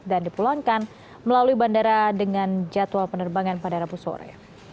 dan dipulangkan melalui bandara dengan jadwal penerbangan pada rabu sore